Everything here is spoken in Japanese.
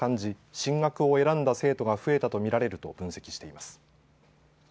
進学を選んだ生徒が増えたと見られると分析しています。